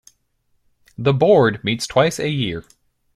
The Board meets twice a year.